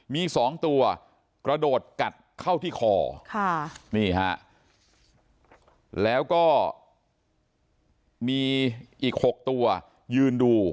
มี๒ตัวกระโดดกัดเข้าที่คอนี่ฮะแล้วก็มีอีก๖ตัวยืนดู